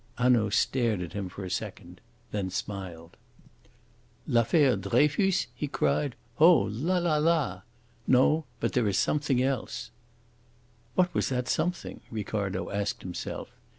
Hanaud stared at him for a second, then smiled. "L'affaire Dreyfus?" he cried. "Oh la, la, la! No, but there is something else." What was that something? Ricardo asked himself.